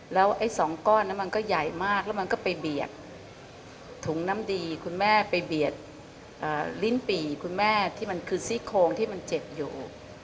แล้วไอ้สองก้อนนั้นมันก็ใหญ่มากแล้วมันก็ไปเบียดถุงน้ำดีคุณแม่ไปเบียดลิ้นปี่คุณแม่ที่มันคือซี่โครงที่มันเจ็บอยู่